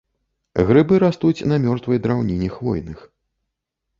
Грыбы растуць на мёртвай драўніне хвойных.